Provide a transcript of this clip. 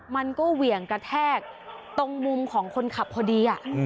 มันก็เหวี่ยงกระแทกตรงมุมของคนขับพอดี